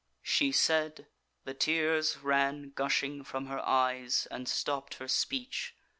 She said: the tears ran gushing from her eyes, And stopp'd her speech.